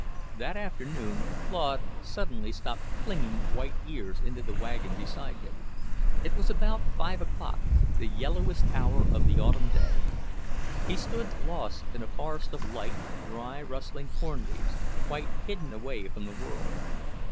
That afternoon Claude suddenly stopped flinging white ears into the wagon beside him. It was about five o'clock, the yellowest hour of the autumn day. He stood lost in a forest of light, dry, rustling corn leaves, quite hidden away from the world.